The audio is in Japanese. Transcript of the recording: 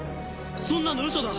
そんなのウソだ！